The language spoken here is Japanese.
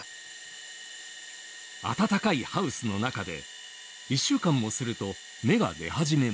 暖かいハウスの中で１週間もすると芽が出始めます。